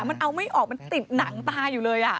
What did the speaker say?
มันเอาไม่ออกมันติดหนังตาอยู่เลย